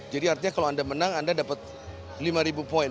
jadi artinya kalau anda menang anda dapat lima ribu poin